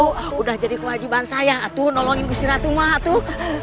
sudah jadi kewajiban saya atuh nolongin gusti ratu ma atuh